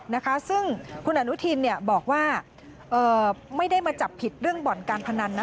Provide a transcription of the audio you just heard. นะคะซึ่งคุณอนุทินเนี่ยบอกว่าเอ่อไม่ได้มาจับผิดเรื่องบ่อนการพนันนะ